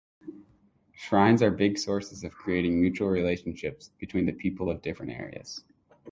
Shrines are big sources of creating mutual relationships between the people of different areas.